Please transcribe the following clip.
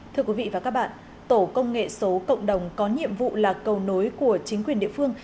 thưa quý vị và các bạn tổ công nghệ số cộng đồng có nhiệm vụ là cầu nối của chính quyền địa phương